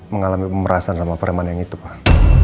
mengalami pemerasan sama pereman yang itu pak